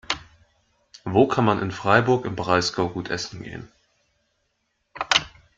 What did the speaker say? Wo kann man in Freiburg im Breisgau gut essen gehen?